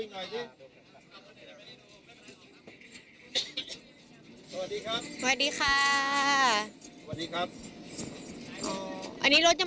ทำงานอยู่อุงเทพใช่ค่ะ